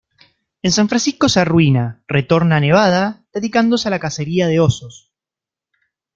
En San Francisco se arruina, retorna a Nevada, dedicándose a la cacería de osos.